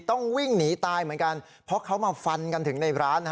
ต้องวิ่งหนีตายเหมือนกันเพราะเขามาฟันกันถึงในร้าน